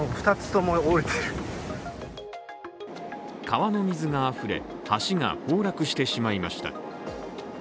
川の水があふれ、橋が崩落してしまいました。